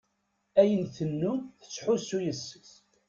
Ayen tennum tettḥusu yes-s.